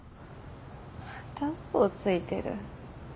また嘘をついてる。